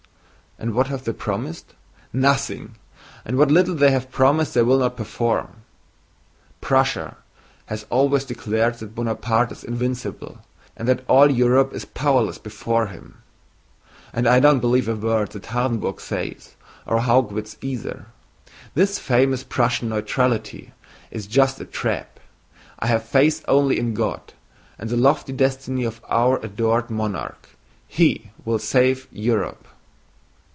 And what have they promised? Nothing! And what little they have promised they will not perform! Prussia has always declared that Buonaparte is invincible, and that all Europe is powerless before him.... And I don't believe a word that Hardenburg says, or Haugwitz either. This famous Prussian neutrality is just a trap. I have faith only in God and the lofty destiny of our adored monarch. He will save Europe!"